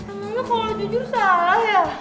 emangnya kalo jujur salah ya